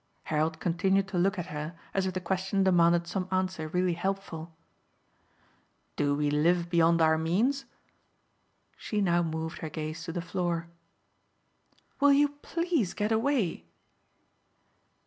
Harold continued to look at her as if the question demanded some answer really helpful. "Do we live beyond our means?" She now moved her gaze to the floor. "Will you PLEASE get away?"